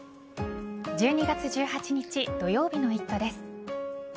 １２月１８日土曜日の「イット！」です。